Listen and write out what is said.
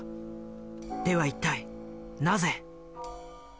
では一体なぜ？